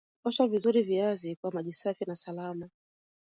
Osha vizuri viazi kwa maji safi na salama